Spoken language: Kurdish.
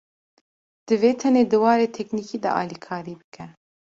Divê tenê di warê teknîkî de alîkarî bike